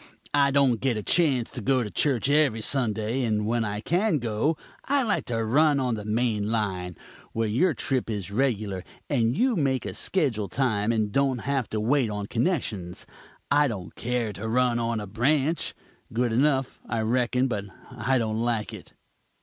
I don't get a chance to go to church every Sunday, and when I can go, I like to run on the main line, where your trip is regular, and you make schedule time, and don't have to wait on connections. I don't care to run on a branch. Good enough, I reckon, but I don't like it."